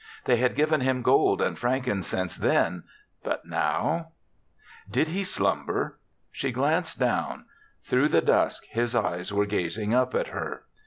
They had given him gold and frankincense then; but now Did he slumber? She glanced down; through the dusk his eyes were gazing up at her.